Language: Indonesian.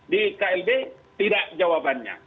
di klb tidak jawabannya